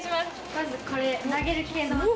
まずこれ投げるけん玉。